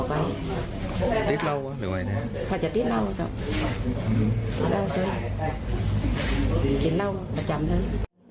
พอจะดิ้นเล่าเอาเล่าด้วยกินเล่าประจำเลย